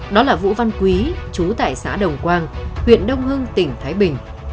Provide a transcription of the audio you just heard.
đó là vũ văn quý chú tại xã đồng quang huyện đông hưng tỉnh thái bình